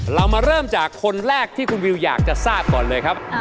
เรามาเริ่มจากคนแรกที่คุณวิวอยากจะทราบก่อนเลยครับ